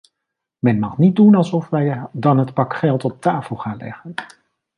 Men mag niet doen alsof wij dan het pak geld op tafel gaan leggen.